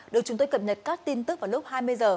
được chúng tôi cập nhật các tin tức vào lúc hai mươi h